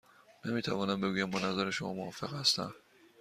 نمی توانم بگویم با نظر شما موافق هستم.